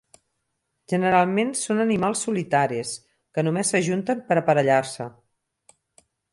Generalment són animals solitaris, que només s'ajunten per aparellar-se.